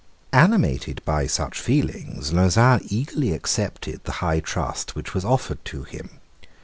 Animated by such feelings, Lauzun eagerly accepted the high trust which was offered to him.